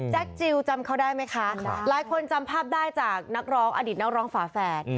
จิลจำเขาได้ไหมคะหลายคนจำภาพได้จากนักร้องอดีตนักร้องฝาแฝด